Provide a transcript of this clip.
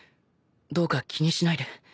どうか気にしないで。